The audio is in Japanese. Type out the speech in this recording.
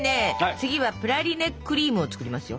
次はプラリネクリームを作りますよ。